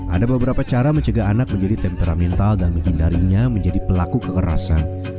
ada beberapa cara mencegah anak menjadi temperamental dan menghindarinya menjadi pelaku kekerasan